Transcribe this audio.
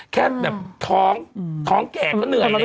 แค่แบบท้องท้องแก่ก็เหนื่อยแล้ว